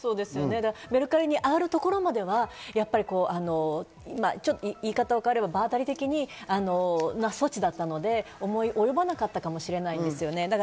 メルカリにあがるところまでは場当たり的な措置だったので思い及ばなかったかもしれないですよね。